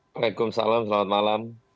wa'alaikumussalam selamat malam